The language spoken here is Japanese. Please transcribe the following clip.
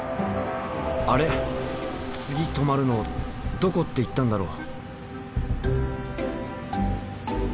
あれ次止まるのどこって言ったんだろう？